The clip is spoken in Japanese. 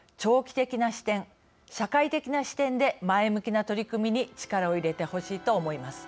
社会的な視点で前向きな取り組みに力を入れてほしいと思います。